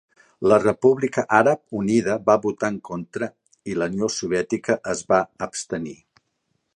La República Àrab Unida va votar en contra i la Unió Soviètica es va abstenir.